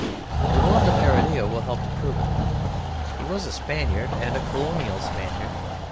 The work of Heredia will help to prove it. He was a Spaniard, and a Colonial Spaniard.